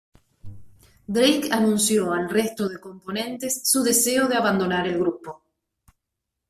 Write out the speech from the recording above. Drake anunció al resto de componentes su deseo de abandonar el grupo.